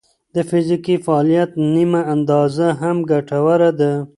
د فزیکي فعالیت نیمه اندازه هم ګټوره ده.